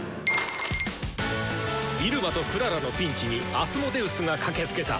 入間とクララのピンチにアスモデウスが駆けつけた！